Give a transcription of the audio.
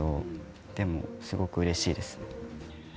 でもすごくうれしいです。